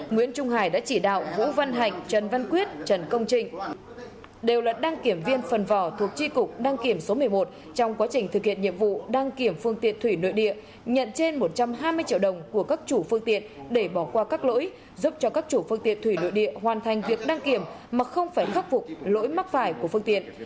nguyễn trung hải đã chỉ đạo vũ văn hạnh trần văn quyết trần công trịnh đều là đăng kiểm viên phần vỏ thuộc tri cục đăng kiểm số một mươi một trong quá trình thực hiện nhiệm vụ đăng kiểm phương tiện thủy nội địa nhận trên một trăm hai mươi triệu đồng của các chủ phương tiện để bỏ qua các lỗi giúp cho các chủ phương tiện thủy nội địa hoàn thành việc đăng kiểm mà không phải khắc phục lỗi mắc phải của phương tiện